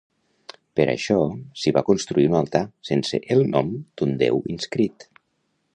Per això s'hi va construir un altar sense el nom d'un déu inscrit.